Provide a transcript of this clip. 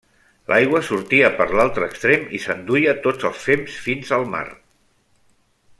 L'aigua sortia per l'altre extrem i s'enduia tots els fems fins al mar.